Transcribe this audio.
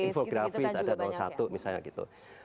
infografis ada satu misalnya gitu